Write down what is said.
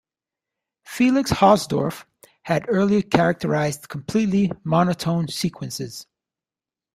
Felix Hausdorff had earlier characterised completely monotone sequences.